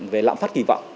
về lạm phát kỳ vọng